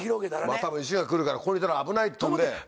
多分石が来るからここにいたら危ないっていうんで。